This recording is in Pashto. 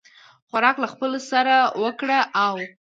خوراک له خپلو سره وکړه او